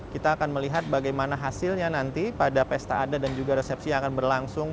kita akan melihat bagaimana hasilnya nanti pada pesta adat dan juga resepsi yang akan berlangsung